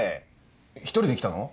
１人で来たの？